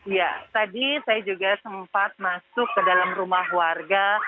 ya tadi saya juga sempat masuk ke dalam rumah warga